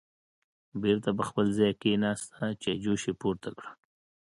بېرته په خپل ځای کېناسته، چایجوش یې پورته کړه